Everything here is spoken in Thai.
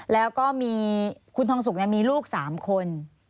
แล้วก็มีคุณทองสุกมีลูก๓คน